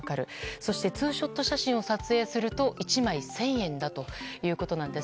そして、ツーショット写真を撮影すると１枚１０００円だということなんです。